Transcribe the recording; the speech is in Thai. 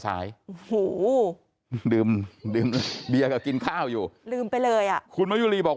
ดื่มดื่มเบียร์กับกินข้าวอยู่ลืมไปเลยอ่ะคุณมะยุรีบอก